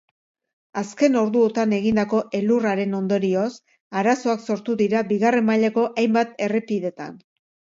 Azken orduotan egindako elurraren ondorioz, arazoak sortu dira bigarren mailako hainbat errepidetan.